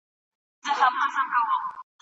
منفي برخورد د انسان ژوند خرابوي.